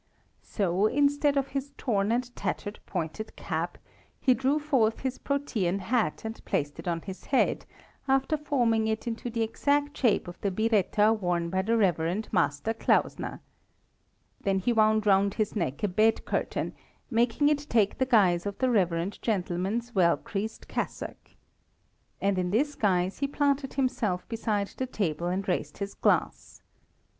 So, instead of his torn and tattered pointed cap, he drew forth his protean hat and placed it on his head, after forming it into the exact shape of the biretta worn by the Rev. Master Klausner. Then he wound round his neck a bed curtain, making it take the guise of the reverend gentleman's well creased cassock. And in this guise he planted himself beside the table and raised his glass.